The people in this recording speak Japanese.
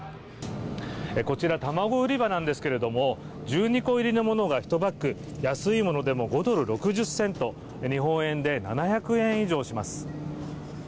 こちら卵売り場なんですけれども、１２個入りのものが１パック安いものでも５ドル６０セント、日本円で７００円以上します。